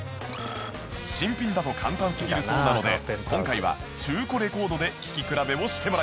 新品だと簡単すぎるそうなので今回は中古レコードで聴き比べをしてもらいます